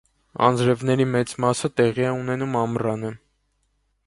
Անձրևների մեծ մասը տեղի է ունենում ամռանը։